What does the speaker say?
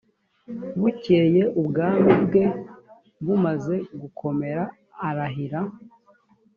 bukeye ubwami bwe bumaze gukomera arahira